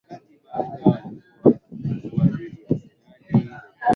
Wanatoa majimaji puani mdomoni na machoni kwa wakati mmoja